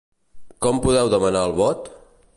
Com podeu demanar el vot?